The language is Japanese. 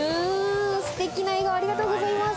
ステキな笑顔、ありがとうございます。